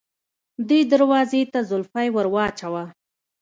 دې دروازې ته زولفی ور واچوه.